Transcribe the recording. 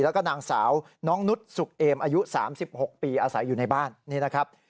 แล้วก็นางสาวน้องนุษย์สุกเอมอายุ๓๖ปีอาศัยอยู่ในบ้านนี่นะครับ